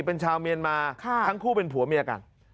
เป็นชาวเมียนมาทั้งคู่เป็นผัวเมียกัน